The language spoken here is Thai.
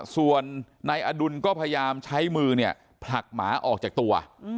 ส่วนนายอดุลก็พยายามใช้มือเนี่ยผลักหมาออกจากตัว